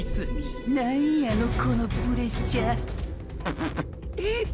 何やのこのプレッシャーププ。